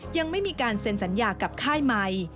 ยังไม่มีการเซ็นสัญญากับค่ายใหม่